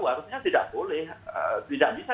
harusnya tidak boleh tidak bisa